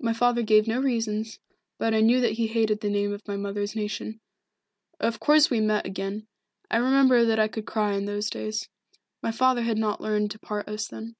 My father gave no reasons, but I knew that he hated the name of my mother's nation. Of course we met again. I remember that I could cry in those days. My father had not learned to part us then.